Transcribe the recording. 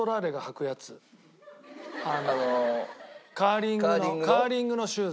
あのカーリングのカーリングのシューズ。